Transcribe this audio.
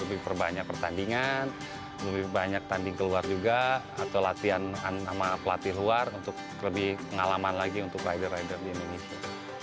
lebih perbanyak pertandingan lebih banyak tanding keluar juga atau latihan sama pelatih luar untuk lebih pengalaman lagi untuk rider rider di indonesia